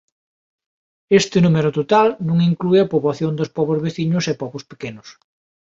Este número total non inclúe a poboación dos pobos veciños e pobos pequenos.